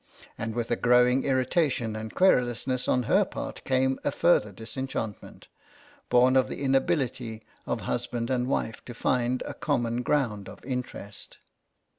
And with a growing irritation and querulousness on her part came a further disenchantment, born of the inability of husband and wife to find a common ground of interest.